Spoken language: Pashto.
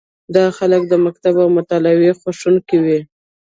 دا خلک د مکتب او مطالعې خوښوونکي وي.